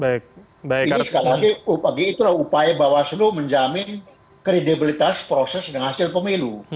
jadi sekali lagi itulah upaya bawah suluh menjamin kredibilitas proses dan hasil pemilu